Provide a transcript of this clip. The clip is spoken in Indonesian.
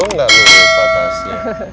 untung gak boleh buat tasnya